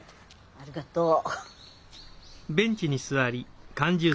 ありがとう。